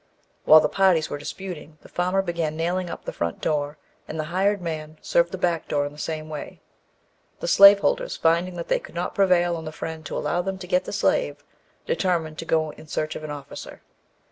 While the parties were disputing, the farmer began nailing up the front door, and the hired man served the back door in the same way. The slaveholders, finding that they could not prevail on the Friend to allow them to get the slave, determined to go in search of an officer.